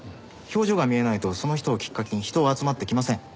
表情が見えないとその人をきっかけに人は集まってきません。